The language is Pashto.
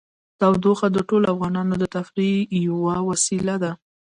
تودوخه د ټولو افغانانو د تفریح یوه وسیله ده.